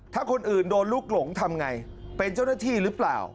ถ้าคนอื่นโดนลูกหลงทำไงเป็นเจ้าหน้าที่หรือเปล่า